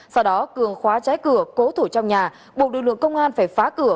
sau đó cường khóa trái cửa cố thủ trong nhà buộc lực lượng công an phải phá cửa